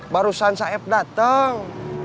barusan saeb dateng